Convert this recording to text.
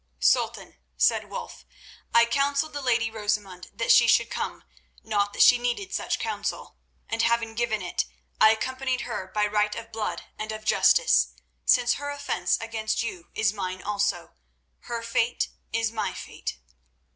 "Sultan," said Wulf, "I counselled the lady Rosamund that she should come—not that she needed such counsel—and, having given it, I accompanied her by right of blood and of Justice, since her offence against you is mine also. Her fate is my fate."